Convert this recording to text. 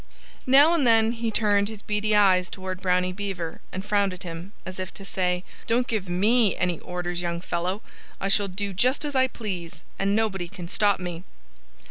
Now and then he turned his beady eyes toward Brownie Beaver and frowned at him, as if to say, "Don't give me any orders, young fellow! I shall do just as I please; and nobody can stop me."